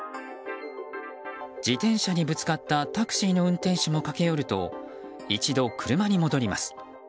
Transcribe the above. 自転車にぶつかったタクシーの運転手も駆け寄ると一度、車に戻ります。